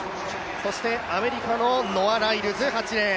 そしてアメリカのノア・ライルズ、８レーン。